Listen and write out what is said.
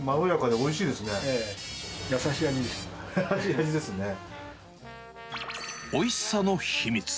おいしさの秘密。